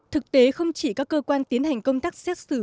thực tế không chỉ các cơ quan tiến hành công tác xét xử